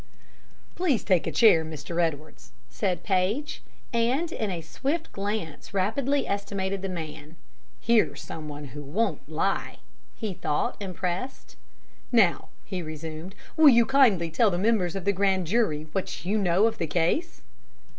"Please take a chair, Mr. Edwards," said Paige, and in a swift glance rapidly estimated the man. "Here's some one who won't lie," he thought, impressed. "Now," he resumed, "will you kindly tell the members of the grand jury what you know of the case?"